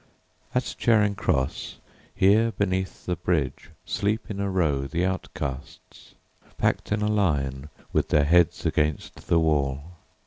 At Charing Cross, here, beneath the bridgeSleep in a row the outcasts, Packed in a line with their heads against the wall.